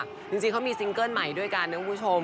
จริงเขามีซิงเกิ้ลใหม่ด้วยกันนะคุณผู้ชม